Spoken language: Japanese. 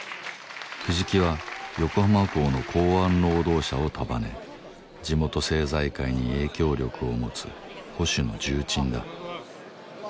藤木は横浜港の港湾労働者を束ね地元政財界に影響力を持つ保守の重鎮だ